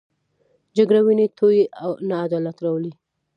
جګړه وینې تویوي، نه عدالت راولي